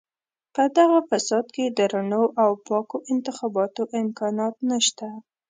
په دغه فساد کې د رڼو او پاکو انتخاباتو امکانات نشته.